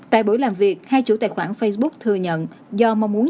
tại buổi làm việc hai chủ tài khoản facebook thừa nhận do mong muốn